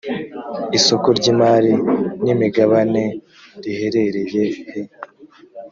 isoko ry imari n imigabaneriheherereye he